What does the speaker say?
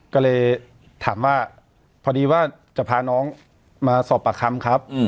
ก็เลยถามว่าพอดีว่าจะพาน้องมาสอบปากคำครับ